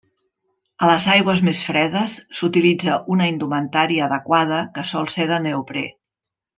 A les aigües més fredes s'utilitza una indumentària adequada que sol ser de neoprè.